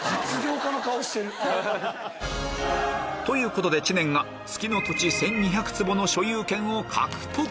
ということで知念が月の土地１２００坪の所有権を獲得